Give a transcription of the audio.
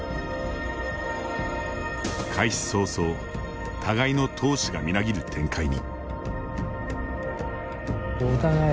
開始早々互いの闘志がみなぎる展開に。